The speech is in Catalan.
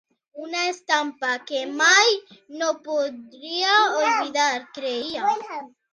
Una estampa que mai no podria oblidar, creia.